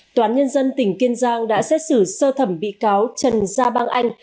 tòa án nhân dân tỉnh kiên giang đã xét xử sơ thẩm bị cáo trần gia bang anh